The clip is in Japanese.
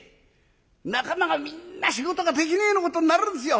仲間がみんな仕事ができねえようなことになるんですよ！